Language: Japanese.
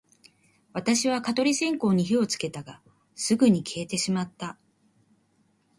私は蚊取り線香に火をつけたが、すぐに消えてしまった